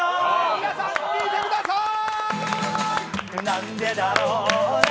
皆さん、見てくださーい！